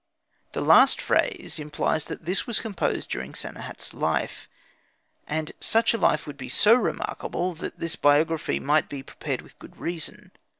The last phrase implies that this was composed during Sanehat's life; and such a life would be so remarkable that this biography might be prepared with good reason.